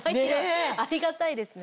ありがたいですね。